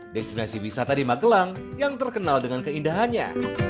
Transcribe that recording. destinasi wisata di magelang yang terkenal dengan keindahannya